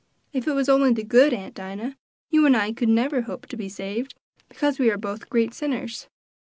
If it was only the good, Aunt Dinah, you and I could never hope to be saved, because we are both great sinners."